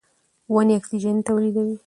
ونې اکسیجن تولیدوي.